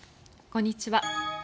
こんにちは。